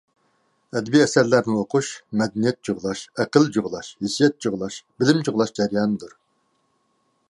ئەدەبىي ئەسەرلەرنى ئوقۇش مەدەنىيەت جۇغلاش، ئەقىل جۇغلاش، ھېسسىيات جۇغلاش، بىلىم جۇغلاش جەريانىدۇر.